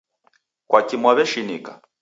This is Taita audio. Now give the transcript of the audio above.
Kwaki Mwaw'eshinika?